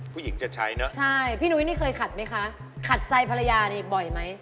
ผู้หญิงจะใช้เนอะใช่พี่นุ้ยนี่เคยขัดไหมคะขัดใจภรรยานี่บ่อยไหม